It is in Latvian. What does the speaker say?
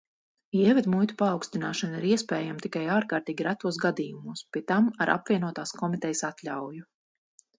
Ievedmuitu paaugstināšana ir iespējama tikai ārkārtīgi retos gadījumos, pie tam ar apvienotās komitejas atļauju.